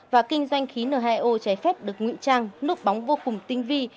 và kinh doanh khí n hai o cháy phép được nguyễn trang nốt bóng vô cùng tinh vi